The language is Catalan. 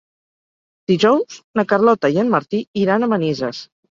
Dijous na Carlota i en Martí iran a Manises.